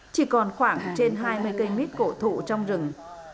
chỉ còn khoảng trên hai mươi cây mít cổ thụ trong rừng